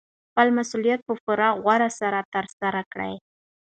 خپل مسوولیت په پوره غور سره ترسره کړئ.